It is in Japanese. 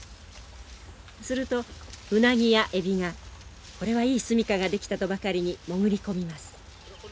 するとウナギやエビがこれはいい住みかが出来たとばかりに潜り込みます。